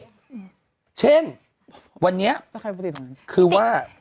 อือใครติดข้างนั้น